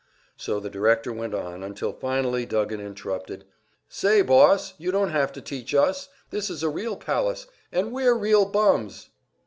So the director went on, until finally Duggan interrupted: "Say, boss, you don't have to teach us. This is a real palace, and we're real bums!"